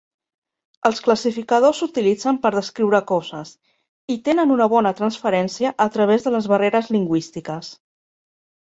Els classificadors s'utilitzen per descriure coses i tenen una bona transferència a través de les barreres lingüístiques.